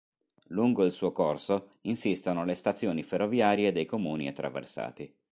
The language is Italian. Lungo il suo corso insistono le stazioni ferroviarie dei comuni attraversati.